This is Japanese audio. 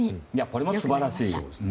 これも素晴らしい。